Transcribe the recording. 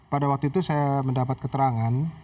pada waktu itu saya mendapat keterangan